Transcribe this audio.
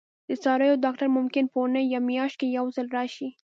د څارویو ډاکټر ممکن په اونۍ یا میاشت کې یو ځل راشي